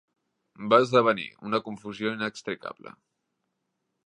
Va esdevenir una confusió inextricable.